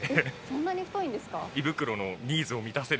そんなに太いんですか？